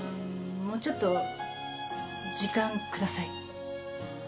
もうちょっと時間下さい。